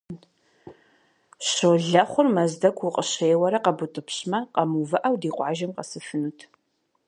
Щолэхъур Мэздэгу укъыщеуэрэ къэбутӀыпщмэ, къэмыувыӀэу, ди къуажэ къэсыфынут.